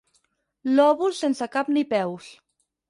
Lòbul sense cap ni peus.